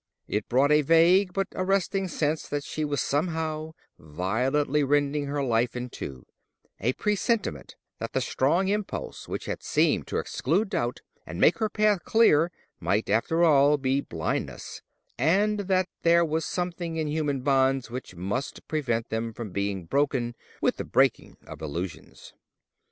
It brought a vague but arresting sense that she was somehow violently rending her life in two: a presentiment that the strong impulse which had seemed to exclude doubt and make her path clear might after all be blindness, and that there was something in human bonds which must prevent them from being broken with the breaking of illusions.